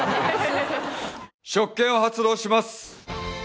「職権を発動します」